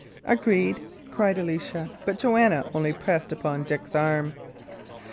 "Agreed," cried Alicia; but Joanna only pressed upon Dick's arm.